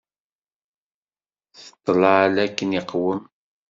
Ṭṭal akken iqwem!